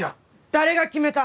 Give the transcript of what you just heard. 誰が決めた！？